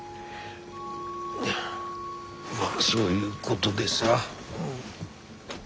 まあそういうごどでさ。